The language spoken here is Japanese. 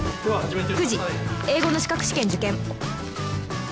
９時英語の資格試験受験